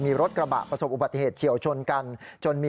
ที่มีรถกระบะประสบอุปัฏเกตเฉียวชนและชนกัน